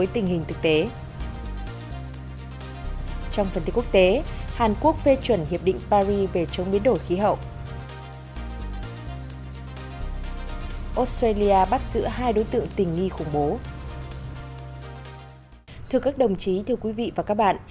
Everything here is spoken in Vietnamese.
thưa các đồng chí thưa quý vị và các bạn